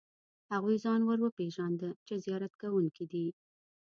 هغوی ځان ور وپېژاند چې زیارت کوونکي دي.